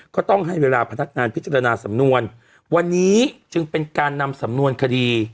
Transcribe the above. ก็ต้องให้เวลาพนักงานพิจารณาสำนวนวันนี้จึงเป็นการนำสำนวนคดี